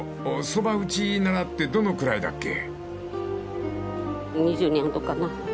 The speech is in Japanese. ［そば打ち習ってどのくらいだっけ？］